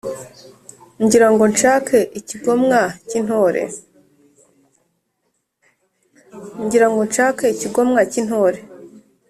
ngira ngo nshake ikigomwa cy’intore,